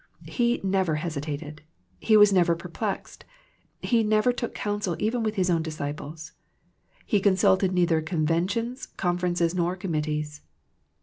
He never hesitated. He was never perplexed. He never took counsel even with His own disciples. He consulted neither Conventions, Conferences, nor Committees.